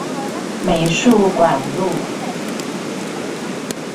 美術館路